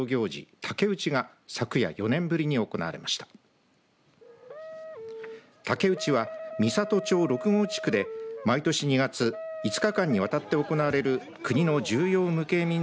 竹うちは美郷町六郷地区で毎年２月５日間にわたって行われる国の重要無形民俗